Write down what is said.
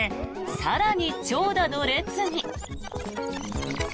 更に長蛇の列に。